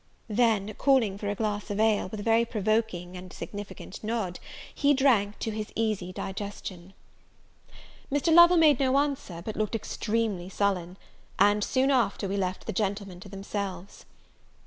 Then, calling for a glass of ale, with a very provoking and significant nod, he drank to his easy digestion. Mr. Lovel made no answer, but looked extremely sullen; and, soon after, we left the gentlemen to themselves.